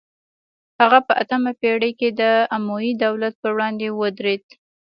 هغه په اتمه پیړۍ کې د اموي دولت پر وړاندې ودرید